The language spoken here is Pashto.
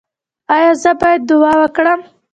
ایا زه باید دعا وکړم؟